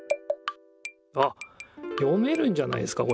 あっ読めるんじゃないですかこれ。